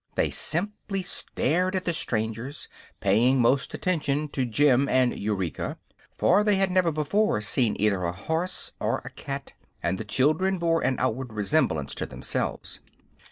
They simply stared at the strangers, paying most attention to Jim and Eureka, for they had never before seen either a horse or a cat and the children bore an outward resemblance to themselves.